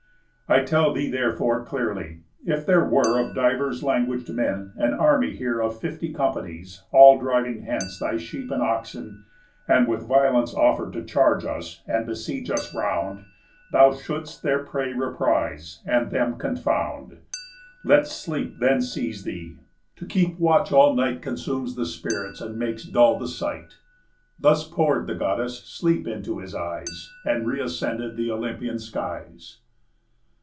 I'll tell thee, therefore, clearly: If there were Of divers languag'd men an army here Of fifty companies, all driving hence Thy sheep and oxen, and with violence Offer'd to charge us, and besiege us round, Thou shouldst their prey reprise, and them confound. Let sleep then seize thee. To keep watch all night Consumes the spirits, and makes dull the sight." Thus pour'd the Goddess sleep into his eyes, And reascended the Olympian skies.